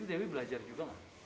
di situ dewi belajar juga kan